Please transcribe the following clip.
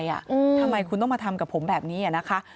ทำไมคุณต้องมาทำกับผมแบบนี้นะคะ